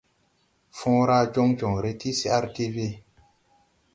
Fõõra jɔŋ jɔŋre ti CRTV.